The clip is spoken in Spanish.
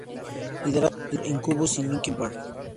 Liderado por: Incubus y Linkin Park.